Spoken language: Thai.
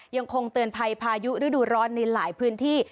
ยังคงเตือนภัยพายุฤดูร้อนในหลายพื้นที่